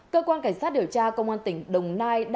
cơ quan cảnh sát điều tra công an tỉnh đồng nai